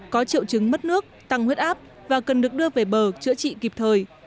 có triệu chứng mất nước tăng huyết áp và cần được đưa về bờ chữa trị kịp thời